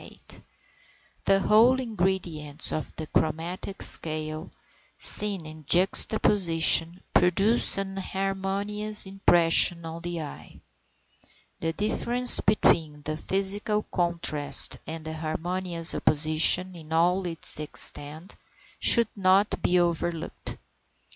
The whole ingredients of the chromatic scale, seen in juxtaposition, produce an harmonious impression on the eye. The difference between the physical contrast and harmonious opposition in all its extent should not be overlooked.